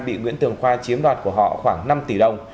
bị nguyễn tường khoa chiếm đoạt của họ khoảng năm tỷ đồng